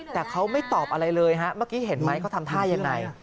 แต่เขาไม่ตอบอะไรเลยฮะเมื่อกี้เห็นไหมเขาทำท่ายังไง